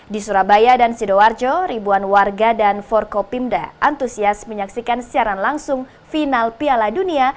di surabaya dan sidoarjo ribuan warga dan forkopimda antusias menyaksikan siaran langsung final piala dunia